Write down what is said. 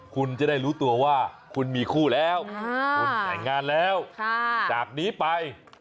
คุณจะได้รู้ตัวว่าคุณมีคู่แล้วคุณแต่งงานแล้วจากนี้ไป